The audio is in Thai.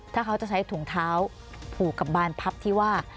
ถ้าเขาจะใช้ถุงเท้าผูกกับบานพับที่ว่า